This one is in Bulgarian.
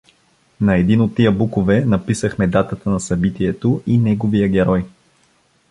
На един от тия букове написахме датата на събитието и неговия герой.